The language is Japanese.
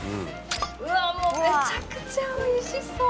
うわもうめちゃくちゃおいしそう。